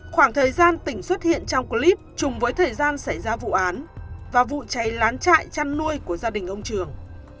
khoảng thời gian tỉnh xuất hiện trong clip chung với thời gian xảy ra vụ án và vụ cháy lán trại chăn nuôi của gia đình ông trường